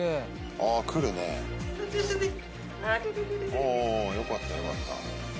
ああよかったよかった。